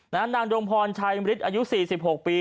นางดองพลชายมริษัทอายุสี่สิบหกปี